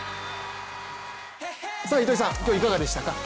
糸井さん、今日いかがでしたか？